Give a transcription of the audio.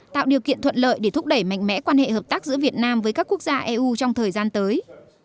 tạo điều kiện thuận lợi để thúc đẩy mạnh mẽ quan hệ hợp tác giữa việt nam với các quốc gia eu trong thời gian tới